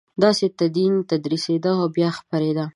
داسې تدین تدریسېده او بیا خپرېده.